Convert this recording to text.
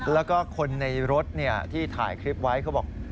แล้วก็คนในรถที่ถ่ายคลิปไว้เขาบอก